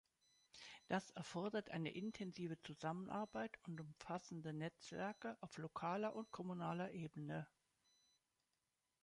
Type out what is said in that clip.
Das erfordert eine intensive Zusammenarbeit und umfassende Netzwerke auf lokaler und kommunaler Ebene.